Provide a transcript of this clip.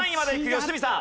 良純さん。